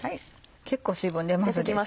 結構水分出ますでしょ？